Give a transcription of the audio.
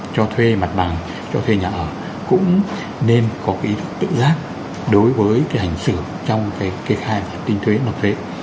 cho thuê mặt bằng cho thuê nhà ở cũng nên có cái ý tự giác đối với cái hành xử trong cái khai tinh thuế nộp thuế